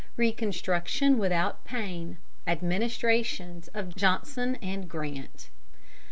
RECONSTRUCTION WITHOUT PAIN ADMINISTRATIONS OF JOHNSON AND GRANT.